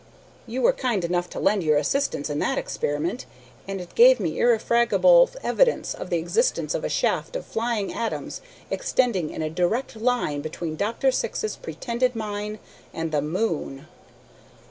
You were kind enough to lend your assistance in that experiment, and it gave me irrefragable evidence of the existence of a shaft of flying atoms extending in a direct line between Dr. Syx's pretended mine and the moon!"